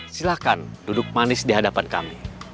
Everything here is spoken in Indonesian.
silahkan duduk manis di hadapan kami